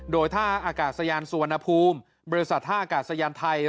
โดยท่าอากาศยานสุวรรณภูมิบริษัทท่าอากาศยานไทย